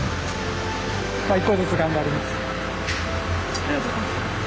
ありがとうございます。